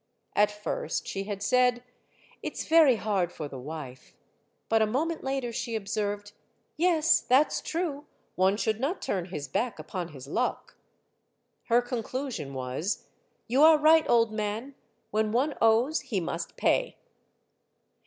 At first she had said, " It's very hard for the wife," but a moment later she observed, " Yes, that 's true, one should not turn his back upon his luck." Her conclusion was, " You are right, old man ; when one owes he must pay."